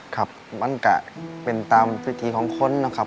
ครับมันก็เป็นตามวิถีของคนนะครับ